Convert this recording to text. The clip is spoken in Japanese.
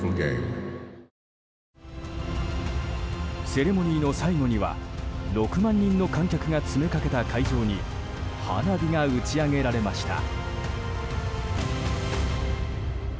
セレモニーの最後には６万人の観客が詰めかけた会場に花火が打ち上げられました。